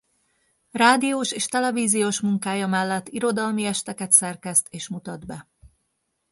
Rádiós és televíziós munkája mellett irodalmi esteket szerkeszt és mutat be.